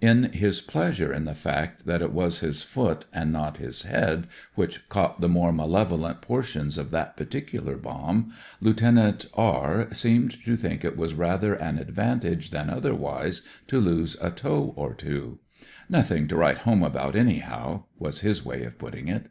In his pleasure in the fact that it was his foot, and not l2 119 120 BROTHERS OF THE PARSONAGE his head, which caught the more malevo lent portions of that particular bomb, Lieut. R seemed to think it was rather an advantage than otherwise to lose a toe or two. "Nothing to write home about, anyhow," was his way of putting it.